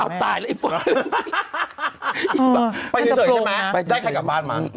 อ้าวตายแล้วไปเฉยใช่ไหมได้ใครกลับบ้านมั้ง